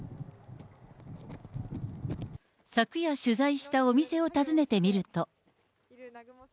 昨夜取材したお店を訪ねてみると。